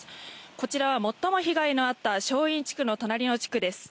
こちらは最も被害のあった正院地区の隣の地区です。